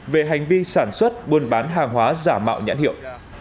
về hành vi sản xuất buôn bán hàng hóa giả mạo nhãn hiệu